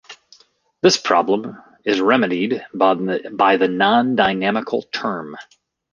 This problem is remedied by the non-dynamical term.